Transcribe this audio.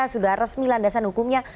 sudah resmi landasan hukumnya